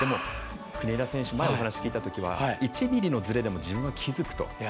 国枝選手にお話を聞いたときは１ｍｍのずれでも自分は気付くと。